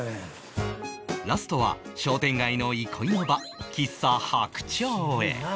ラストは商店街の憩いの場喫茶白鳥へ